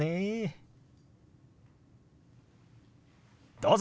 どうぞ。